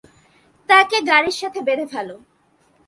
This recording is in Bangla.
তাকে গাড়ির সাথে বেধে ফেল।